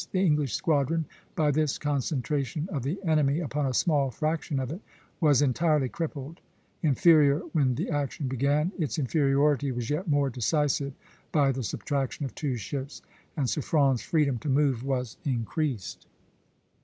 The English squadron, by this concentration of the enemy upon a small fraction of it, was entirely crippled. Inferior when the action began, its inferiority was yet more decisive by the subtraction of two ships, and Suffren's freedom to move was increased.